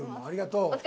ありがとう。